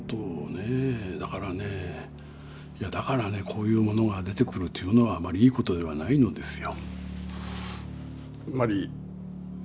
だからねだからねこういうものが出てくるというのはあまりいいことではないのですよ。